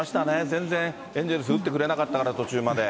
全然エンゼルス、打ってくれなかったから、途中まで。